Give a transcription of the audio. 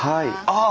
ああ！